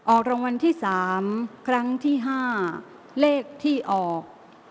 ออกรางวัลที่๓ครั้งที่๕เลขที่ออก